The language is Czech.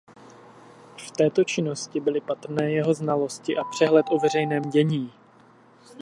V této činnosti byly patrné jeho znalosti a přehled o veřejném dění.